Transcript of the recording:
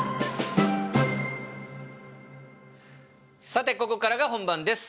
さてここからが本番です！